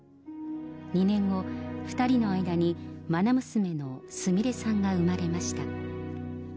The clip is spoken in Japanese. ２年後、２人の間にまな娘のすみれさんが産まれました。